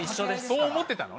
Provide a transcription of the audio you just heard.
そう思ってたの？